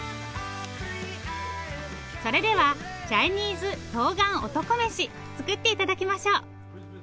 それではチャイニーズとうがん男メシ作って頂きましょう。